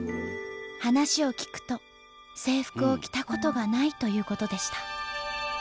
話を聞くと制服を着たことがないということでした。